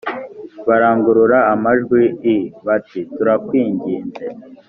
barangurura amajwi i bati turakwinginze